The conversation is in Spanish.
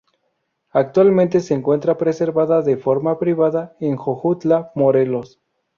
Actualmente se encuentra preservada de forma privada en Jojutla Morelos.